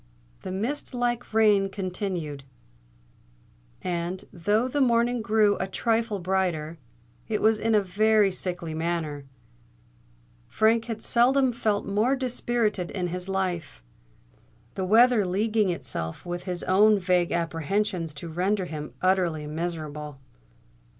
The mist like rain continued; and, though the morning grew a trifle brighter, it was in a very sickly manner. Frank had seldom felt more dispirited in his life, the weather leaguing itself with his own vague apprehensions to render him utterly miserable.